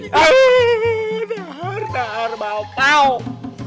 dahar dahar bapak